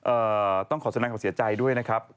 เอ่อต้องขอแสงต่ำเสียใจด้วยนะครับ